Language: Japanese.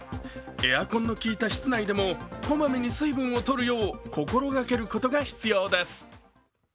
エアコンの効いた室内でもこまめに水分をとるよう心がけることが必要です。